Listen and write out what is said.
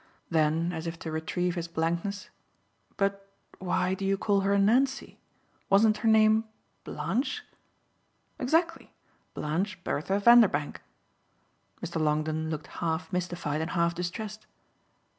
Then as if to retrieve his blankness: "But why do you call her Nancy? Wasn't her name Blanche?" "Exactly Blanche Bertha Vanderbank." Mr. Longdon looked half mystified and half distressed.